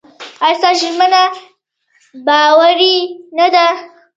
ایا ستاسو ژمنه باوري نه ده؟